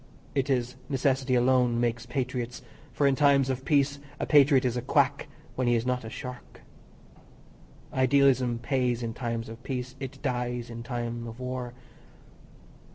It is necessity alone makes patriots, for in times of peace a patriot is a quack when he is not a shark. Idealism pays in times of peace, it dies in time of war.